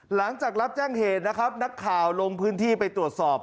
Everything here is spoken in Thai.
หลังจากรับแจ้งเหตุนะครับนักข่าวลงพื้นที่ไปตรวจสอบ